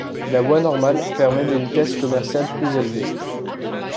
La voie normale permet des vitesses commerciales plus élevées.